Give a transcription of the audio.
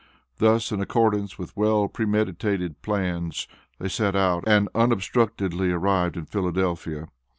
Thus in accordance with well premeditated plans, they set out and unobstructedly arrived in Philadelphia.